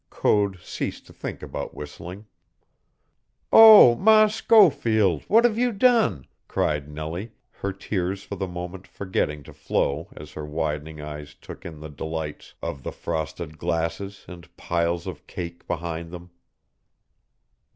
Code ceased to think about whistling. "Oh, Ma Schofield, what have you done?" cried Nellie, her tears for the moment forgetting to flow as her widening eyes took in the delights of the frosted glasses and piles of cake behind them.